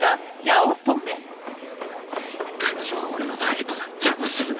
彼女は俺のターゲットだ邪魔するな。